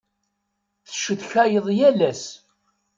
Tecetkayeḍ yal ass.